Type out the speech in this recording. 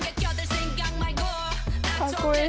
かっこいい。